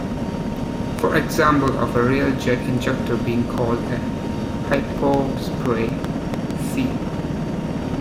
For examples of a real jet injector being called a hypospray: see.